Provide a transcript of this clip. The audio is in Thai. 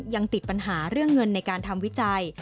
ยังติดปัญหาเรื่องเงินในการทำวิจัย